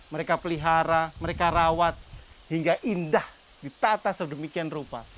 mereka pelihara mereka rawat hingga indah ditata sedemikian rupa